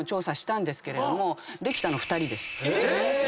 えっ！